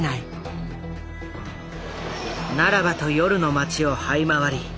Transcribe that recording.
ならばと夜の街をはい回り